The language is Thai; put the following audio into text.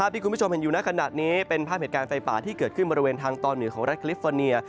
ที่คุณผู้ชมเห็นอยู่ในขณะนี้เป็นภาพเหตุการณ์ไฟป่าที่เกิดขึ้นบริเวณทางตอนเหนือของรัฐคลิฟฟอร์เนีย